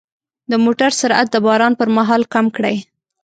د موټر سرعت د باران پر مهال کم کړئ.